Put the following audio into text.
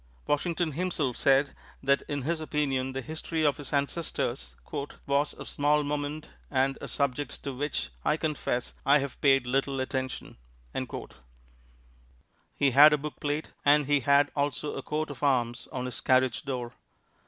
Washington himself said that in his opinion the history of his ancestors "was of small moment and a subject to which, I confess, I have paid little attention." He had a bookplate and he had also a coat of arms on his carriage door.